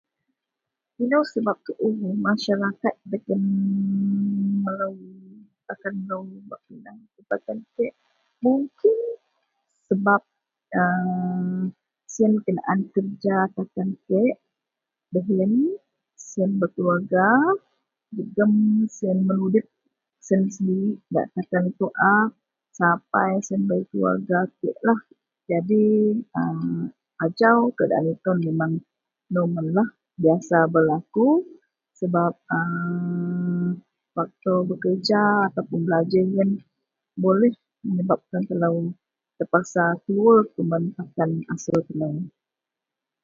Ino sebab tuo masaraket dagen takan melo bak pindah takan kiek. mungkin sebab siyen kenaan kerja takan kiek beh iyen siyen bekeluarga jegem siyen menudip siyen sendirik gak takan liko a sapai siyen bei keluarga kiek lah jadi ajau keadaan memeng normal biyasa berlaku sebab a faktor bekerja atau belajar boleh menyebabkan telo terpaksa keluwar kuman asel siyen.